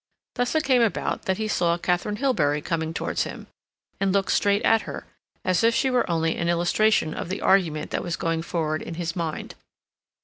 Thus it came about that he saw Katharine Hilbery coming towards him, and looked straight at her, as if she were only an illustration of the argument that was going forward in his mind.